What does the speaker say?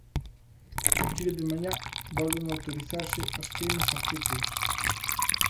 A partir de mañá volven autorizarse as queimas agrícolas.